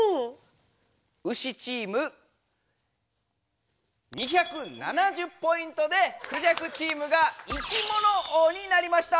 ウシチーム２７０ポイントでクジャクチームがいきもの王になりました！